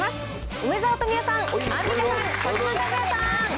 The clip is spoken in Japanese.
梅沢富美男さん、アンミカさん、児嶋一哉さん。